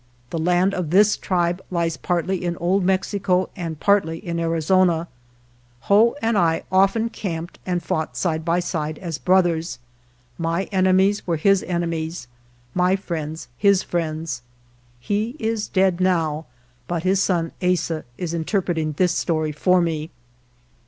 The land of this tribe lies partly in Old Mexico and partly in Arizona. 1 Whoa and I often camped and fought side by side as brothers. My enemies were his enemies, my friends his friends. He is dead now, but his son Asa is interpreting this story for me.